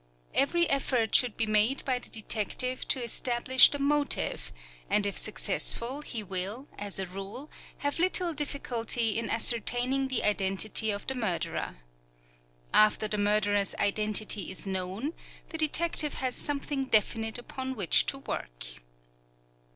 Every effort should be made by the detective to establish the motive, and if successful he will, as a rule, have little difficulty in ascertaining the identity of the murderer. After the murderer's identity is known the detective has something definite upon which to work.